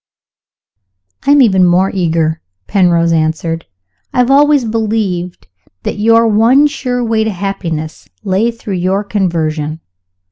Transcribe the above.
"I am even more eager," Penrose answered. "I have always believed that your one sure way to happiness lay through your conversion.